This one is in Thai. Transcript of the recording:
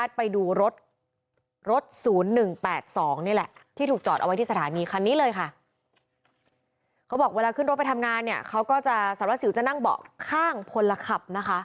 สารวัฒน์ศิลป์จะนั่งเบาะข้างคนละคลับนะคะ